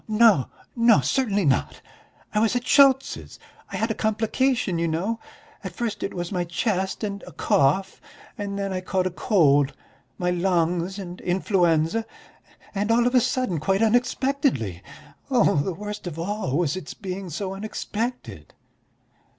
"Oh, no, no! Certainly not! I was at Schultz's; I had a complication, you know, at first it was my chest and a cough, and then I caught a cold: my lungs and influenza ... and all of a sudden, quite unexpectedly ... the worst of all was its being so unexpected."